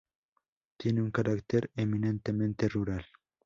Tiene un carácter eminentemente rural.